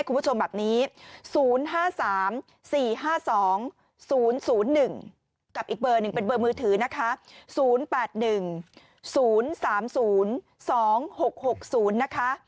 กับอีกเบอร์หนึ่งเป็นเบอร์มือถือนะคะ๐๘๑๐๓๐๒๖๖๐นะคะ